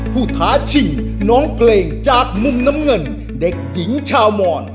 ท้าชิงน้องเกรงจากมุมน้ำเงินเด็กหญิงชาวมอน